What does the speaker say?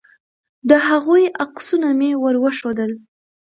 د هغوی عکسونه مې ور وښودل.